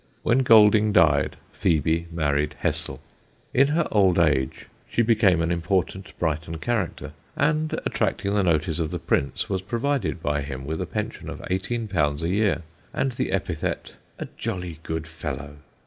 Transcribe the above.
When Golding died Phebe married Hessel. In her old age she became an important Brighton character, and attracting the notice of the Prince was provided by him with a pension of eighteen pounds a year, and the epithet "a jolly good fellow."